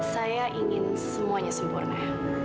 saya ingin semuanya sempurna